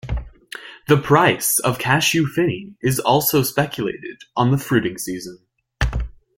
The price of cashew feni is also speculated on the fruiting season.